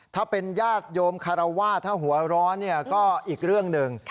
ถ้าเป็นญาติโยมคารวาสถ้าหัวร้อนก็อีกเรื่องหนึ่ง